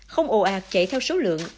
không ồ ạt chạy theo số lượng